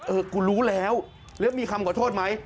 เออกูรู้แล้วแล้วมีคำขอโทษไหม